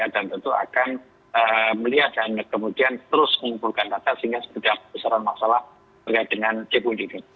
dan tentu akan melihat dan kemudian terus mengumpulkan data sehingga sejauh besar masalah terkait dengan cekul ini